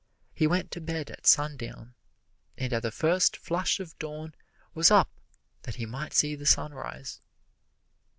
He went to bed at sundown, and at the first flush of dawn was up that he might see the sunrise.